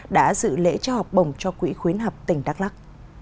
đã dự lễ trao học bổng cho quỹ khuyến học tỉnh đắk lắc